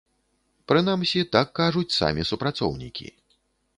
Прынамсі, так кажуць самі супрацоўнікі.